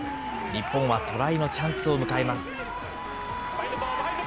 日本はトライのチャンスを迎えます。